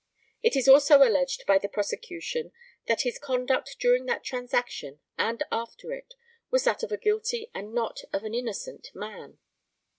It is also alleged by the prosecution that his conduct during that transaction, and after it, was that of a guilty and not of an innocent man.